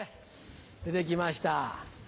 出て来ました。